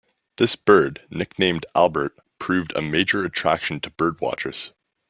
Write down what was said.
This bird, nicknamed 'Albert', proved a major attraction to birdwatchers.